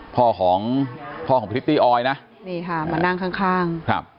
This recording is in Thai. พ่อของพ่อของพระทิปติออยนะนี่ค่ะมานั่งข้าง